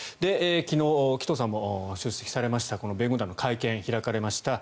昨日、紀藤さんも出席されました弁護団の会見が開かれました。